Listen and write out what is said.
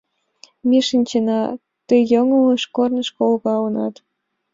Ме шинчена, тый йоҥылыш корнышко логалынат.